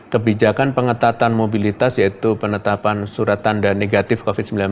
kebijakan pengetatan mobilitas yaitu penetapan surat tanda negatif covid sembilan belas